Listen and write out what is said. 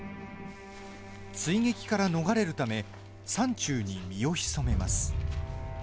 追撃から逃れるため山中に身を潜めます。